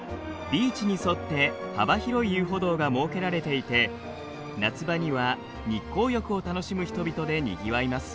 ビーチに沿って幅広い遊歩道が設けられていて夏場には日光浴を楽しむ人々でにぎわいます。